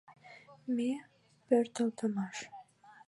Ме — пӧртылдымаш.